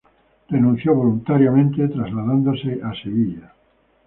Renunció voluntariamente, trasladándose a Sevilla.